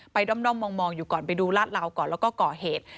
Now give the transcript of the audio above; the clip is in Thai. ด้อมมองอยู่ก่อนไปดูลาดเหลาก่อนแล้วก็ก่อเหตุ